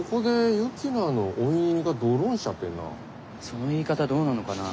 その言い方どうなのかな？